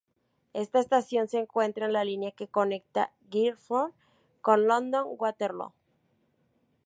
Esta estación se encuentra en la línea que conecta Guildford con London Waterloo.